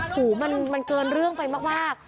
หูมันเกินเรื่องไปมาก